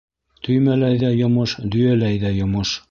Төймәләй ҙә йомош, дөйәләй ҙә йомош.